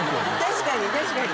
確かに確かに。